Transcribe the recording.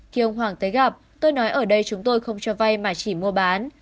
khi ông hoàng tới gặp tôi nói ở đây chúng tôi không cho vay mà chỉ mua bán